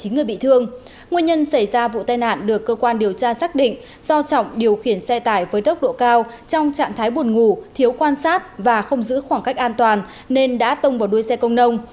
nguyên nhân xảy ra vụ tai nạn được cơ quan điều tra xác định do trọng điều khiển xe tải với tốc độ cao trong trạng thái buồn ngủ thiếu quan sát và không giữ khoảng cách an toàn nên đã tông vào đuôi xe công nông